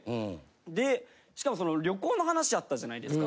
でしかもその旅行の話あったじゃないですか。